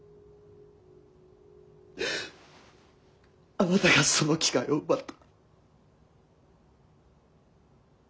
あなたがその機会を奪った。